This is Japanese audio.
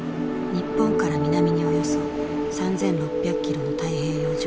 日本から南におよそ３，６００キロの太平洋上。